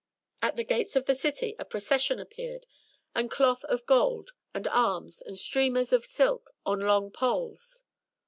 At the gates of the city a procession appeared, with cloth of gold, and arms, and streamers of silk on long poles.